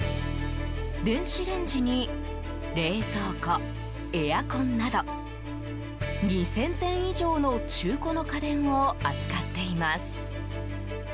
電子レンジに冷蔵庫エアコンなど２０００点以上の中古の家電を扱っています。